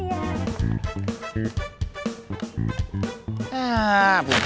semuanya mau disitu